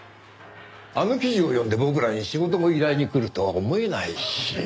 あの記事を読んで僕らに仕事の依頼に来るとは思えないし。